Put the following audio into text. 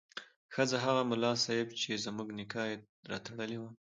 ښځه: هغه ملا صیب چې زموږ نکاح یې راتړلې وه